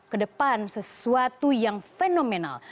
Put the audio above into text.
kedepan sesuatu yang fenomenal